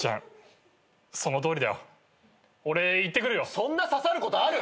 そんな刺さることある？